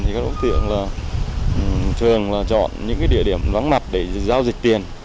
thì các đối tượng thường chọn những địa điểm vắng mặt để giao dịch tiền